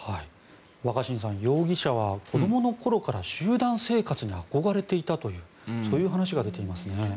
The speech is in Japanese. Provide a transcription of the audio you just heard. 若新さん容疑者は子どもの頃から集団生活に憧れていたというそういう話が出ていますね。